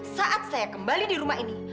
saat saya kembali di rumah ini